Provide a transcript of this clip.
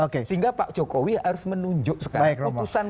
sehingga pak jokowi harus menunjuk sekarang